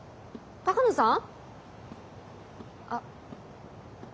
鷹野さん？